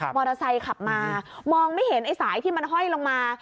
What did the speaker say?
อเตอร์ไซค์ขับมามองไม่เห็นไอ้สายที่มันห้อยลงมา